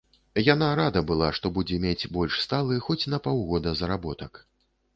Яна рада была, што будзе мець больш сталы, хоць на паўгода, заработак.